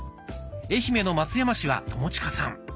愛媛の松山市は友近さん。